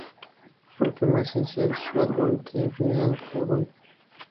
Fue el primer sencillo de su álbum "The Final Countdown".